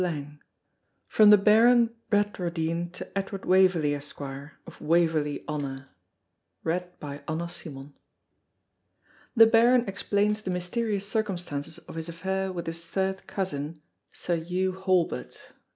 XXIII. From the Baron Bradwardine to Edward Waverley, Esq., of Waverley Honour. The Baron explains the mysterious circumstances of his affair with his third cousin, Sir Hew Halbert.